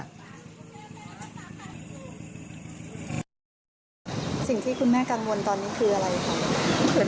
สิ่งที่คุณแม่กังวลตอนนี้คืออะไรคะ